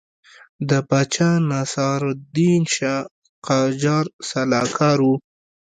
د پاچا ناصرالدین شاه قاجار سلاکار وو.